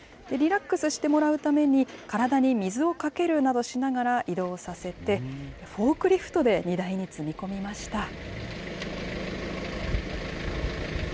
リラックスしてもらうために、体に水をかけるなどしながら移動させて、フォークリフトで荷台に積み込みました。